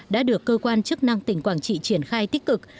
đã được cơ quan chức năng tỉnh quảng trị triển khai tích cực